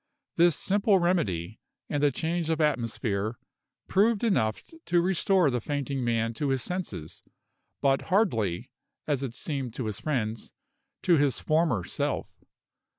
This simple remedy, and the change of atmosphere, proved enough to restore the fainting man to his senses, but hardly as it seemed to his friends to his former self.